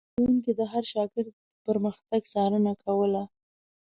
ښوونکي د هر شاګرد پرمختګ څارنه کوله.